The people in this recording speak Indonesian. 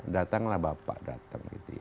datanglah bapak datang